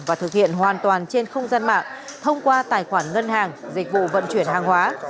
và thực hiện hoàn toàn trên không gian mạng thông qua tài khoản ngân hàng dịch vụ vận chuyển hàng hóa